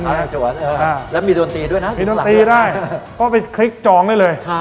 ในสวนแล้วมีดนตรีด้วยนะมีดนตรีได้ก็เป็นคลิกจองได้เลย